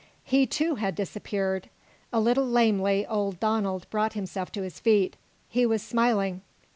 He, too, had disappeared. A little lamely old Donald brought himself to his feet. He was smiling.